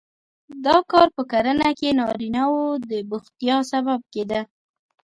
دا کار په کرنه کې نارینه وو د بوختیا سبب کېده.